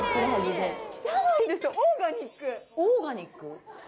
オーガニック？